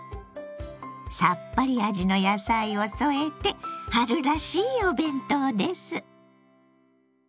さっぱり味の野菜を添えて春らしいお弁当です。